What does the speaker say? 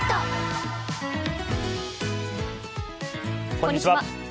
こんにちは。